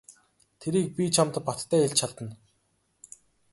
Тэрийг би чамд баттай хэлж чадна.